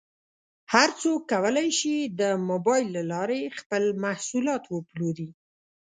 هر څوک کولی شي د مبایل له لارې خپل محصولات وپلوري.